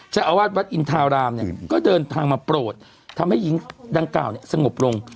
เจ้าอาวาสวัดอินทารามเนี่ยก็เดินทางมาโปรดทำให้หญิงดังกล่าวเนี่ยสงบลง